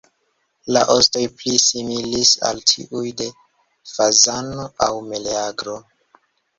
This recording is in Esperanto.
La ostoj pli similis al tiuj de fazano aŭ meleagro.